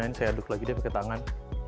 ini saya aduk lagi deh pakai tangan